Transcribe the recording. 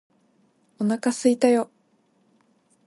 お腹すいたよ！！！！！